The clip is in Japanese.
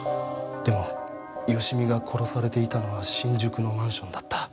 でも芳美が殺されていたのは新宿のマンションだった。